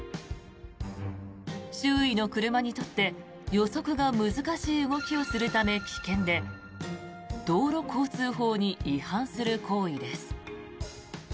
周囲の車にとって予測が難しい動きをするため危険で道路交通法に違反する行為です。